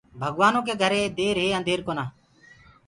ڀگوآنو ڪيٚ گهري دير هي انڌير ڪونآ۔